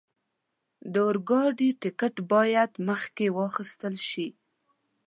د اورګاډي ټکټ باید مخکې واخستل شي.